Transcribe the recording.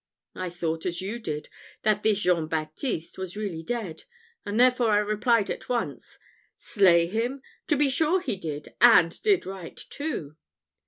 I thought as you did, that this Jean Baptiste was really dead; and therefore I replied at once, 'Slay him! to be sure he did and did right too.'"